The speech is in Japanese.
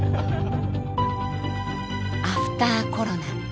アフターコロナ。